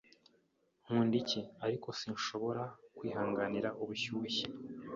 Nkunda icyi, ariko sinshobora kwihanganira ubushyuhe.